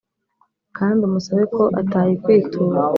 kandi umusabe ko atayikwitura